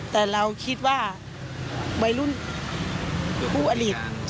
แต่เราคิดว่าวัยรุ่นผู้อดีต